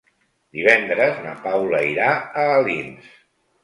Divendres na Paula irà a Alins.